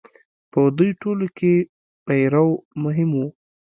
په دوی ټولو کې پیرو مهم و.